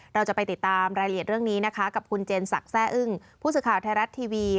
เราจะไปติดตามรายละเอียดเรื่องนี้นะคะกับคุณเจนศักดิ์แซ่อึ้งผู้สื่อข่าวไทยรัฐทีวี